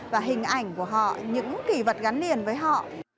và hình ảnh của họ những kỷ vật gắn liền với họ